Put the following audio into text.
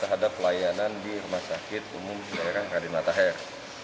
pembelianan di rumah sakit umum di daerah kraden latahar